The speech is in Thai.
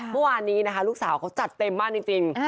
เมื่อวานนี้นะคะลูกสาวเขาจัดเต็มมากจริง